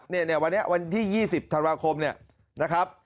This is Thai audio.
เนี่ยวันนี้วันที่๒๐ธันวาคมเนี่ยนะครับ